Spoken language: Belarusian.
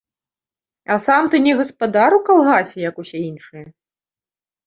А сам ты не гаспадар у калгасе, як усе іншыя?